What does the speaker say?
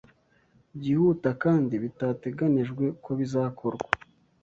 Byihuta kandi bitateganijwe ko bizakorwa